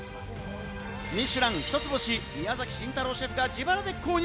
ミシュラン１つ星、宮崎慎太郎シェフが自腹で購入。